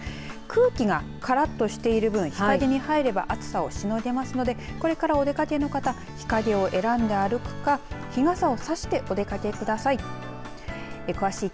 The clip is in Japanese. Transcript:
空気がからっとしている分日陰に入れば暑さをしのげますのでこれからお出かけの方日陰を選んで歩くか日傘をさしてお出かけください。